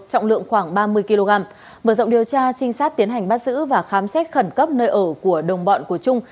trọng lượng khoảng ba mươi kg mở rộng điều tra trinh sát tiến hành bắt giữ và khám xét khẩn cấp nơi ở của đồng bọn của trung